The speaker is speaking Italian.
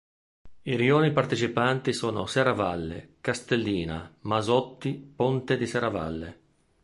I rioni partecipanti sono Serravalle, Castellina, Masotti, Ponte di Serravalle.